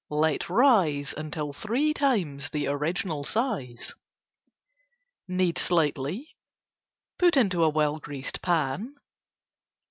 Let rise until three times the original size. Knead slightly, put into a well greased pan.